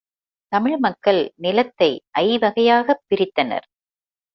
தமிழ் மக்கள் நிலத்தை ஐவகையாகப் பிரித்தனர்.